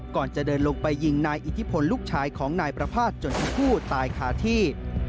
ก่อนจะเดินลงไปยิงนายอิทธิพลลูกชายของนายประภาษณจนทั้งคู่ตายคาที่